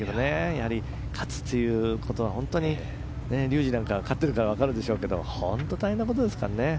やはり勝つということは本当に竜二なんかは勝っているから分かるでしょうけど本当に大変なことですからね。